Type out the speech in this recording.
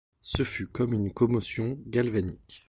Ce fut comme une commotion galvanique.